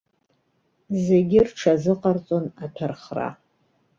Зегьы рҽазыҟарҵон аҭәархра.